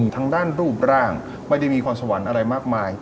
ทางด้านรูปร่างไม่ได้มีพรสวรรค์อะไรมากมาย